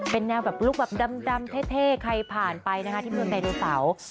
เป็นแนวแบบลุกแบบดำเท่ใครผ่านไปนะคะที่เมืองไดโนเสาร์